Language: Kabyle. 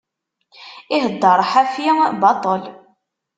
Iheddeṛ ḥafi, baṭel.